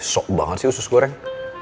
sok banget sih usus goreng